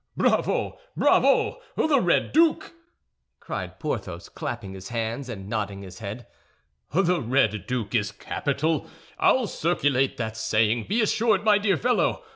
Bravo! Bravo! The Red Duke!" cried Porthos, clapping his hands and nodding his head. "The Red Duke is capital. I'll circulate that saying, be assured, my dear fellow.